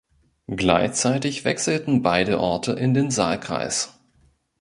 Gleichzeitig wechselten beide Orte in den Saalkreis.